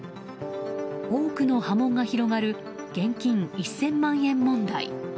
多くの波紋が広がる現金１０００万円問題。